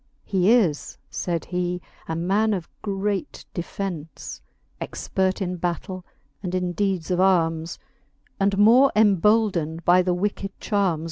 He is, faid he, a man of great defence ; Expert in battell and in deedes of armes ; And more emboldned by the wicked charmes.